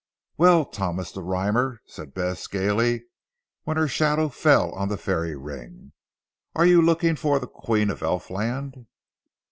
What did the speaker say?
"Well Thomas the Rhymer," said Bess gaily, when her shadow fell on the fairy ring, "are you looking for the Queen of Elf land?"